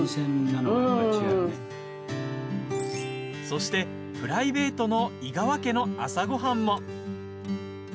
そして、プライベートの井川家の朝ごはんも。